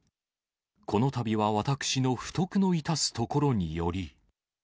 このたびは私の不徳の致すところにより。